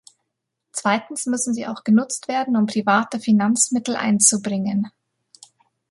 Zweitens müssen sie auch genutzt werden, um private Finanzmittel einzubringen.